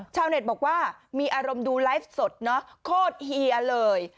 ชาวเน็ตบอกว่ามีอารมณ์ดูไลฟ์สดเนอะโคตรเฮียเลย